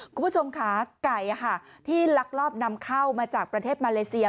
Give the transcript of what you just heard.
คุณผู้ชมค่ะไก่ที่ลักลอบนำเข้ามาจากประเทศมาเลเซีย